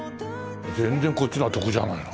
全然こっちの方が得じゃないの。